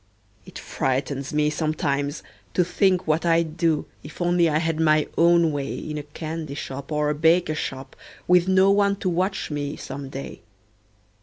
It frightens me sometimes, to think what I'd do, If only I had my own way In a candy shop or a baker shop, Witn no one to watch me, some day.